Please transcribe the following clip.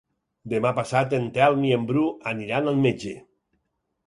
Demà passat en Telm i en Bru aniran al metge.